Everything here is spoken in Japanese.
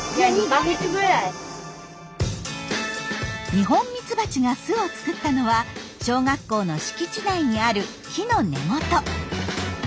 ニホンミツバチが巣を作ったのは小学校の敷地内にある木の根元。